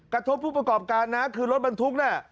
กระทบผู้ประกอบการนะคือรถบรรทุกน่ะ